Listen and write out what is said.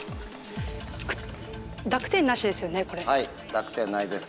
濁点ないです。